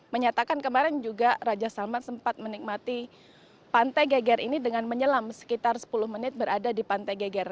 menyatakan kemarin juga raja salman sempat menikmati pantai geger ini dengan menyelam sekitar sepuluh menit berada di pantai geger